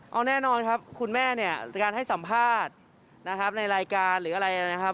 เอาแน่นอนครับคุณแม่เนี่ยการให้สัมภาษณ์นะครับในรายการหรืออะไรนะครับ